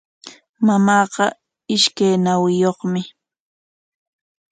Mamaaqa ishkay ñañayuqmi.